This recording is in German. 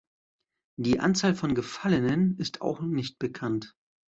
Die Anzahl von Gefallenen ist auch nicht bekannt.